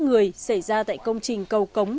người xảy ra tại công trình cầu cống